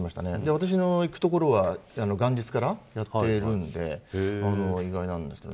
私の行く所は元日からやっているので意外です。